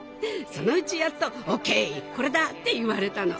そのうちやっと「オーケーこれだ」って言われたの。